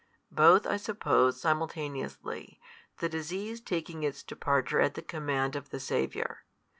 Both, I suppose, simultaneously, the disease taking its departure at the command of the Saviour.